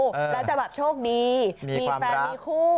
แล้วจะแบบโชคดีมีแฟนมีคู่